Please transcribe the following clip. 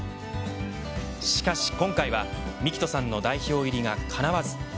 しかし今回は幹人さんの代表入りがかなわず。